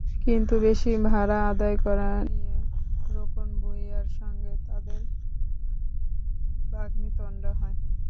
কিন্তু বেশি ভাড়া আদায় করা নিয়ে রোকন ভূঁইয়ার সঙ্গে তাঁদের বাগ্বিতন্ডা হয়।